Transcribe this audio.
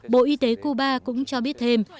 bộ y tế cuba cũng cho biết thêm